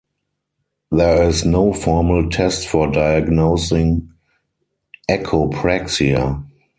There is no formal test for diagnosing echopraxia.